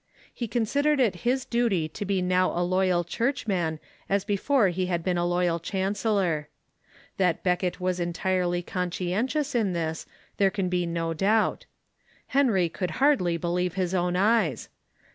He considered it his duty to be now a loyal churchman as before he had been a loyal chancellor. That Becket was entirely conscientious in this there can be no doubt. Henry could hardly believe his own eyes.